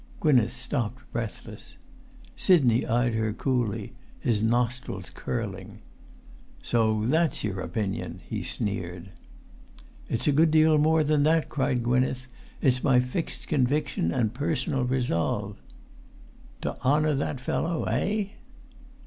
Gwynneth stopped breathless. Sidney eyed her coolly, his nostrils curling. "So that's your opinion," he sneered. "It's a good deal more than that," cried Gwynneth. "It's my fixed conviction and personal resolve." "To honour that fellow, eh?"